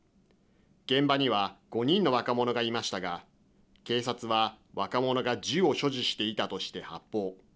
現場には５人の若者がいましたが警察は、若者が銃を所持していたとして発砲。